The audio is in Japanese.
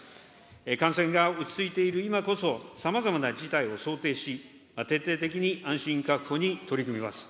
感染が落ち着いている今こそ、さまざまな事態を想定し、徹底的に安心確保に取り組みます。